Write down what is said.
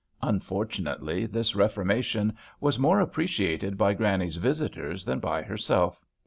Unfortunately, this reforma tion was more appreciated by Granny's visitors than by herself.